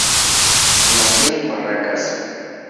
Nació en Barracas.